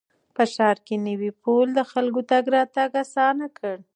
ښار کې نوی پل د خلکو تګ راتګ اسانه کړ